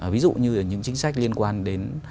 ví dụ như là những chính sách liên quan đến